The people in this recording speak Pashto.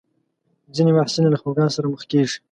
ځینې محصلین له خپګان سره مخ کېږي.